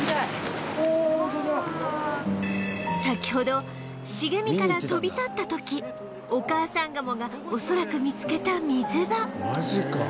先ほど茂みから飛び立った時お母さんガモが恐らく見つけた水場